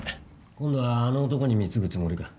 今度はあの男に貢ぐつもりか？